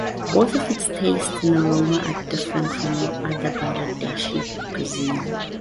Both of its taste and aroma are different from all other Bangladeshi cuisine.